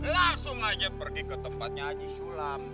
langsung aja pergi ke tempatnya haji sulam